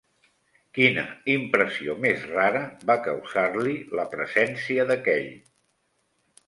Quina impressió més rara va causar-li la presència d'aquell